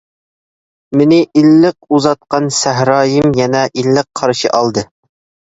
مېنى ئىللىق ئۇزاتقان سەھرايىم يەنە ئىللىق قارشى ئالدى.